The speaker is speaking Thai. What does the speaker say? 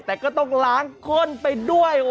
แต่ก็ต้องล้างข้นไปด้วย